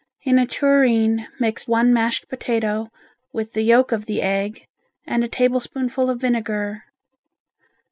In a tureen mix one mashed potato with the yolk of the egg and a tablespoonful of vinegar.